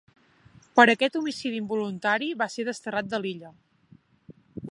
Per aquest homicidi involuntari va ser desterrat de l'illa.